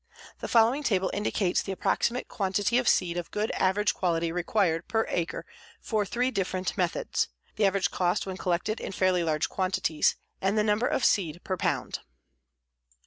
The following table indicates the approximate quantity of seed of good average quality required per acre for three different methods, the average cost when collected in fairly large quantities, and the number of seed per pound: No.